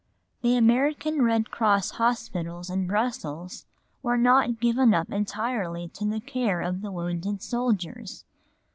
The American Red Cross hospitals in Brussels were not given up entirely to the care of the wounded soldiers.